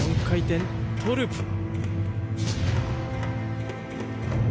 ４回転トウループ。